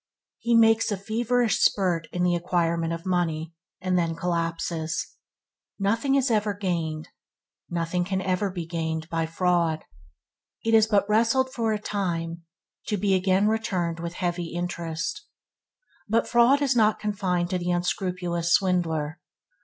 He makes a feverish spurt in the acquirement of money, and then collapses. Nothing is ever gained, ever can be gained, by fraud. It is but wrested for a time, to be again returned with heavy interest. But fraud is not confined to the unscrupulous swindler.